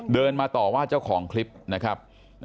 เดินมาต่อว่าเจ้าของคลิปนะครับ